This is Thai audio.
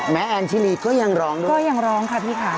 แม้แอลทิลีก็ยังร้องด้วยหรือเปล่าก็ยังร้องค่ะพี่ค่ะ